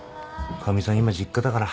かみさん今実家だから。